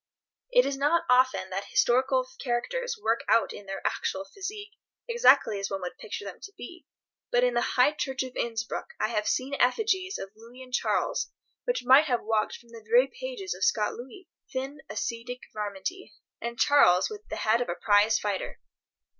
It is not often that historical characters work out in their actual physique exactly as one would picture them to be, but in the High Church of Innsbruck I have seen effigies of Louis and Charles which might have walked from the very pages of Scott Louis, thin, ascetic, varminty; and Charles with the head of a prize fighter.